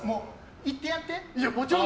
行ってやって。